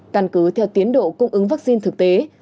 căn cứ theo tiến độ cung ứng vaccine thực tế